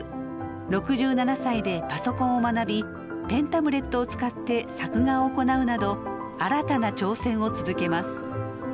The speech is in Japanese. ６７歳でパソコンを学びペンタブレットを使って作画を行うなど新たな挑戦を続けます。